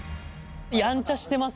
やんちゃしてますよね